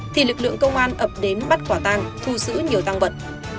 thì lực lượng công an ập đến bắt quả tàng thu xử nhiều tăng vật